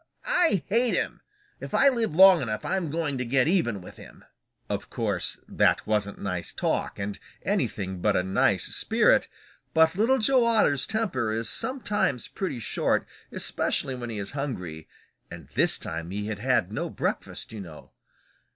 I hate him! If I live long enough I'm going to get even with him!" Of course that wasn't nice talk and anything but a nice spirit, but Little Joe Otter's temper is sometimes pretty short, especially when he is hungry, and this time he had had no breakfast, you know.